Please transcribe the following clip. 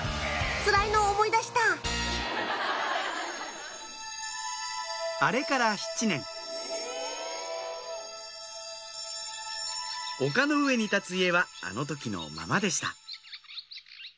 つらいのを思い出した丘の上に立つ家はあの時のままでした